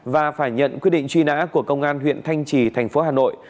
và phải nhận quyết định truy nã của công an huyện thanh trì thành phố hà nội